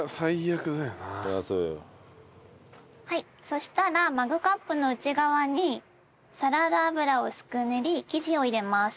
そうしたらマグカップの内側にサラダ油を薄く塗り生地を入れます。